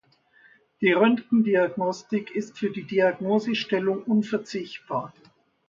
Die Röntgendiagnostik ist für die Diagnosestellung unverzichtbar.